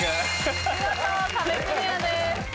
見事壁クリアです。